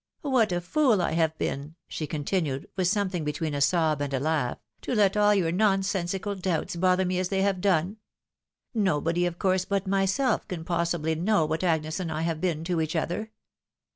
" What a fool I have been," she continued, with something between a sob and a laugh, " to let all your nonsensical doubts bother me as they have done ! Nobody, of course, but myself can possibly know what Agnes and I have been to each other